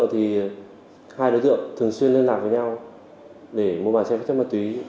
hai đối tượng thường xuyên liên lạc với nhau để mua bàn xe vận chuyển ma túy